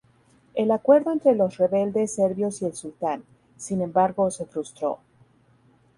El acuerdo entre los rebeldes serbios y el sultán, sin embargo, se frustró.